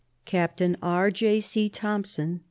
Captain K. J. C. Thompson, E.